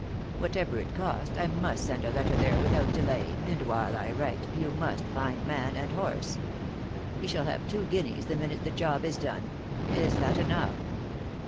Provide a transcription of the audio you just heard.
Whatever it cost, I must send a letter there without delay, and while I write, you must find man and horse. He THE ACTEESS IN HIGH LIFE. 247 , shall have two guineas the minute the job is done. Is that enough.